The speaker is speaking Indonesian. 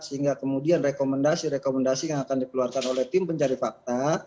sehingga kemudian rekomendasi rekomendasi yang akan dikeluarkan oleh tim pencari fakta